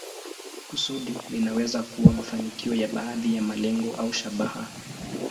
Kusudi linaweza kuwa mafanikio ya baadhi ya malengo au shabaha.